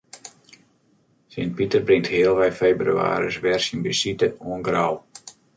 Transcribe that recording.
Sint Piter bringt healwei febrewaris wer syn besite oan Grou.